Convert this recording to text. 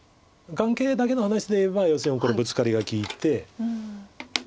眼形だけの話でいえば要するにこれブツカリが利いて。